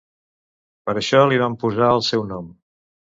Per això li vam posar el seu nom.